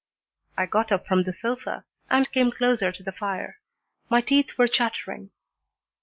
I got up from the sofa and came closer to the fire. My teeth were chattering.